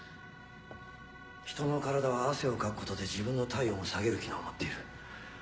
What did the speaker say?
人の体は汗をかくことで自分の体温を下げる機能を持っている。